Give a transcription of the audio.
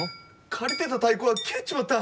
借りてた太鼓が帰っちまった！